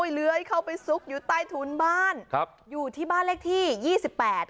เลื้อยเข้าไปซุกอยู่ใต้ถุนบ้านครับอยู่ที่บ้านเลขที่ยี่สิบแปด